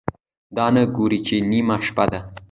دا نه ګوري چې نیمه شپه ده،